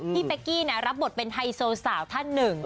เป๊กกี้รับบทเป็นไฮโซสาวท่านหนึ่ง